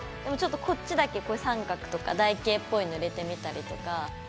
ちょっとこっちだけこういう三角とか台形っぽいの入れてみたりとか。